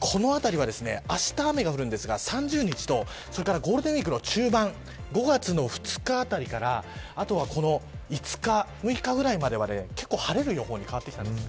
この辺りはあした雨が降るんですが３０日とゴールデンウイークの中盤５月の２日あたりから５日、６日ぐらいまでは結構、晴れる予報に変わってきました。